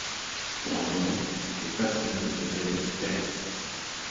Pour un moment, les passions et les intérêts se taisent.